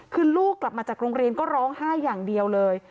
คือลูกกลับมาจากโรงเรียนก็ร้องไห้อย่างเดียวเลย